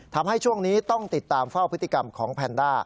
ทำให้ช่วงนี้ต้องติดตามเฝ้าพฤติกรรมของแพนด้า